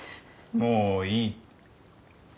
もういい。